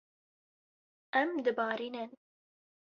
Em dibarînin.